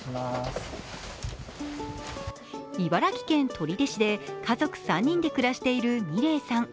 茨城県取手市で家族３人で暮らしている美礼さん。